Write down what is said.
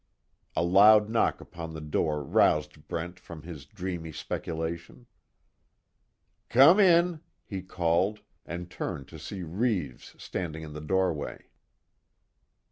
A loud knock upon the door roused Brent from his dreamy speculation. "Come in!" he called, and turned to see Reeves standing in the doorway.